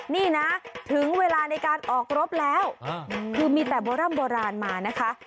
นี่นะถึงเวลาในการออกรบแล้วคือมีแต่โบร่ำโบราณมานะคะ